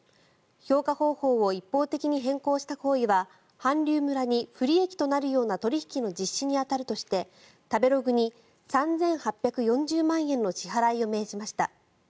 評価方法を一方的に変更した行為は韓流村に不利益となるような取引の実施に当たるとして食べログに３８４０万円の支払いを命じました。